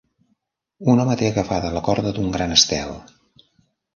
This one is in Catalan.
Un home té agafada la corda d'un gran estel.